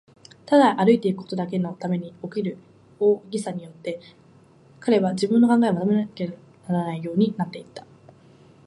ただ歩いていくことだけのために起こる大儀さによって、彼は自分の考えをまとめられないようになっていた。